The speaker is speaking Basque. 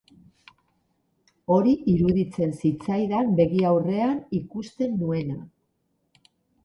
Hori iruditzen zitzaidan begi aurrean ikusten nuena.